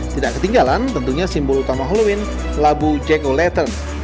tidak ketinggalan tentunya simbol utama halloween labu jack oleton